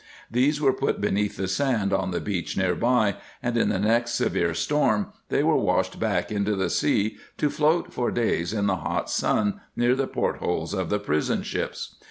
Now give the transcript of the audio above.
These were put beneath the sand on the beach near by, and in the next severe storm they were washed back into the sea to float for days in the hot sun near the port holes of the prison ships.